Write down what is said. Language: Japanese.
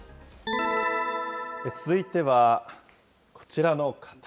続いては、こちらの方。